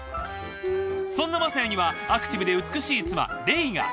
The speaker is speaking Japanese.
そんな雅也にはアクティブで美しい妻麗が。